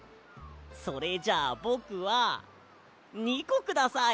それじゃあぼくは２こください。